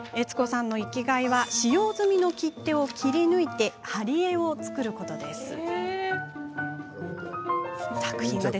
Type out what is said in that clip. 悦子さんの生きがいは使用済みの切手を切り抜いて貼り絵を作ることです。